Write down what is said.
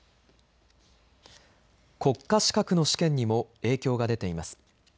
国家資格の試験にも影響が出ています。